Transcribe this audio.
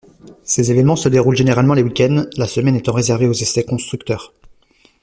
Ces événements se déroulent généralement les week-ends, la semaine étant réservée aux essais constructeurs.